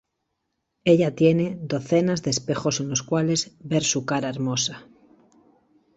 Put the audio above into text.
Ella tiene docenas de espejos en los cuales ver su cara hermosa.